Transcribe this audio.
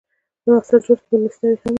د محصل ژوند کې مېلمستیاوې هم وي.